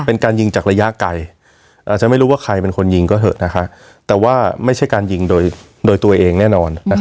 เป็นการยิงจากระยะไกลอาจจะไม่รู้ว่าใครเป็นคนยิงก็เถอะแต่ว่าไม่ใช่การยิงโดยตัวเองแน่นอน